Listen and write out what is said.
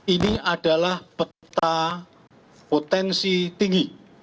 ini adalah peta potensi tinggi